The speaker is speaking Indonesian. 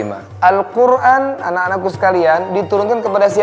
alquran anak anakku sekalian diturunkan kepada saya